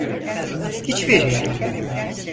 Hiç bir yere.